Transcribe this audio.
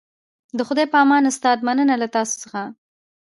د خدای په امان استاده مننه له تاسو څخه